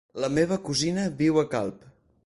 La meva cosina viu a Calp.